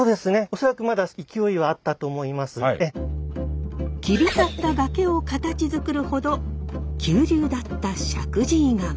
恐らく切り立った崖を形づくるほど急流だった石神井川。